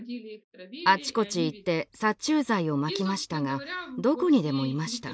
あちこち行って殺虫剤をまきましたがどこにでもいました。